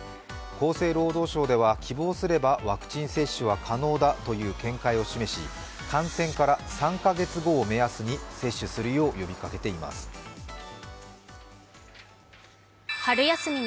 厚生労働省では希望すればワクチン接種は可能だという見解を示し感染から３カ月後を目安に接種するよう呼びかけています。